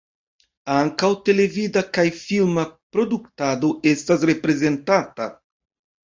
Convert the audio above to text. Ankaŭ televida kaj filma produktado estas reprezentata.